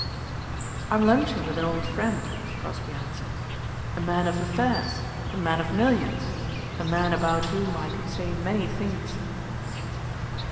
"I'm lunching with an old friend," Crosbeigh answered, "a man of affairs, a man of millions, a man about whom I could say many things."